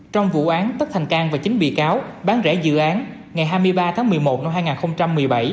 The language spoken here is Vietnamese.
trong vụ án tất thành cang và chín bị cáo bán rẻ dự án ngày hai mươi ba tháng một mươi một năm hai nghìn một mươi bảy